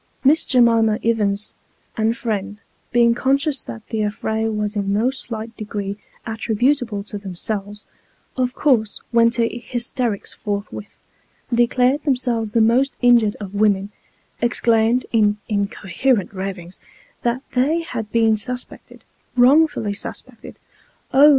Miss J'mima Ivins and friend being conscious that the affray was in no slight degree attributable to themselves, of course went into hysterics forthwith ; declared themselves the most injured of women ; exclaimed, in incoherent ravings, that they had been suspected 174 Sketches by Boz, wrongfully suspected oh!